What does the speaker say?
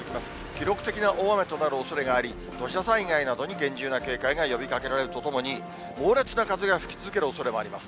記録的な大雨となるおそれがあり、土砂災害などに厳重な警戒が呼びかけられるとともに、猛烈な風が吹き続けるおそれがあります。